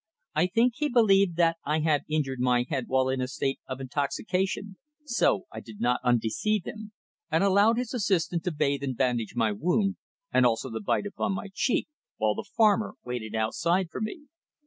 I think he believed that I had injured my head while in a state of intoxication, so I did not undeceive him, and allowed his assistant to bathe and bandage my wound and also the bite upon my cheek, while the farmer waited outside for me.